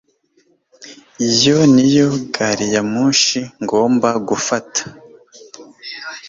Iyo niyo gari ya moshi ngomba gufata